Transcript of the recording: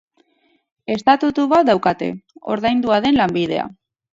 Estatutu bat daukate, ordaindua den lanbidea.